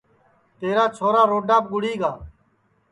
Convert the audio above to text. تیرا چھورا روڈاپ گُڑی گا